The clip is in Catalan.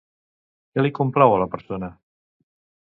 Què li complau a la persona?